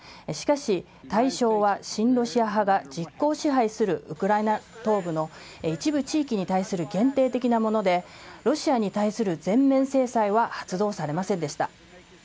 しかし、対象は親ロシア派が実効支配するウクライナ東部の一部地域に対する限定的なもので、ロシアに対する全面制裁は発動されませんでした。